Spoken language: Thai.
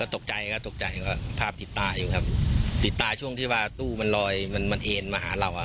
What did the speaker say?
ตกใจครับตกใจก็ภาพติดตาอยู่ครับติดตาช่วงที่ว่าตู้มันลอยมันมันเอ็นมาหาเราอ่ะ